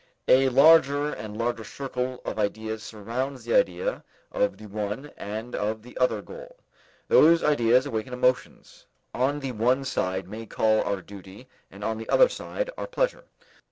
A larger and larger circle of ideas surrounds the idea of the one and of the other goal. Those ideas awaken emotions. On the one side may call our duty and on the other side our pleasure.